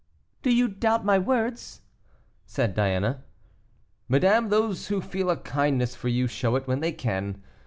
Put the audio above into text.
"Do you doubt my words?" said Diana. "Madame, those who feel a kindness for you, show it when they can.